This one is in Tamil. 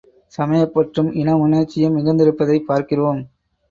சமயப்பற்றும், இன உணர்ச்சியும் மிகுந்திருப்பதைப் பார்க்கிறோம்.